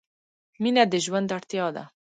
• مینه د ژوند اړتیا ده.